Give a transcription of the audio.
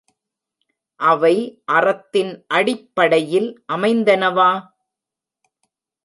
அவை அறத்தின் அடிப்படையில் அமைந்தனவா?